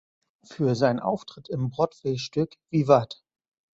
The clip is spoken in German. Für seinen Auftritt im Broadway-Stück "Vivat!